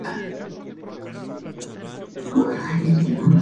Sus padres eran ambos de familias judías.